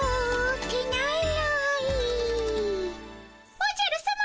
おじゃるさま。